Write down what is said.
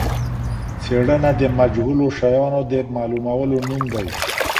څېړنه د مجهولو شیانو د معلومولو نوم دی.